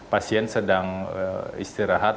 pasien sedang istirahat